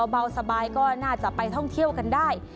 เบาสบายก็น่าจะไปท่องเที่ยวกันได้